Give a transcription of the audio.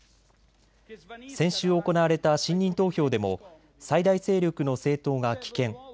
先週行われた信任投票でも最大勢力の政党が棄権。